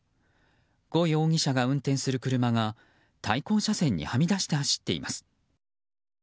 ゴ容疑者が運転する車が対向車線にはみ出して走っています。